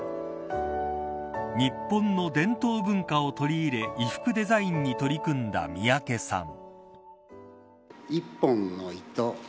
日本の伝統文化を取り入れ衣服デザインに取り組んだ三宅さん。